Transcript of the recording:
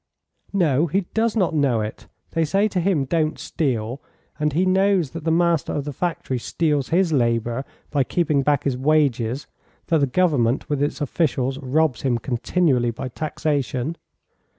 "No, he does not know it; they say to him 'don't steal,' and he knows that the master of the factory steals his labour by keeping back his wages; that the Government, with its officials, robs him continually by taxation."